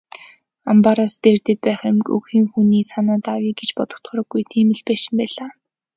Амбаараас дээрдээд байх юмгүй, хэн хүний санаанд авъя гэж бодогдохооргүй тийм л байшин байлаа.